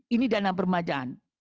ini dana permajaan